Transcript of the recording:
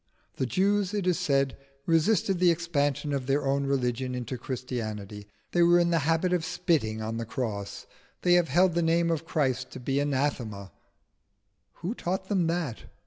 The Jews, it is said, resisted the expansion of their own religion into Christianity; they were in the habit of spitting on the cross; they have held the name of Christ to be Anathema. Who taught them that?